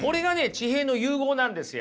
地平の融合なんですよ！